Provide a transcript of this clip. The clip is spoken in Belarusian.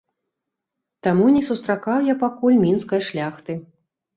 Таму не сустракаў я пакуль мінскай шляхты.